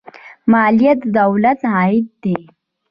مالیه د دولت عاید دی